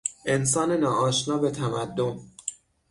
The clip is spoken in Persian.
انسان نا آشنا به تمدن